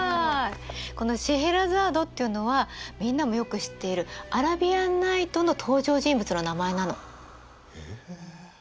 この「シェエラザード」っていうのはみんなもよく知っている「アラビアンナイト」の登場人物の名前なの。